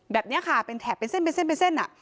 แบบนี้ค่ะเป็นแถบเป็นเส้นเป็นเส้นเป็นเส้นอ่ะ